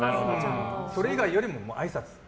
それ以外よりも、あいさつ。